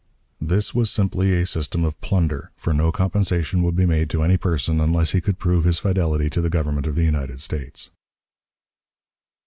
This was simply a system of plunder, for no compensation would be made to any person unless he could prove his fidelity to the Government of the United States.